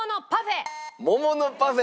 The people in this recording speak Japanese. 桃のパフェ！